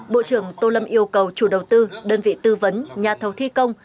bộ trưởng tô lâm yêu cầu chủ đầu tư đơn vị tư vấn nhà thầu thi công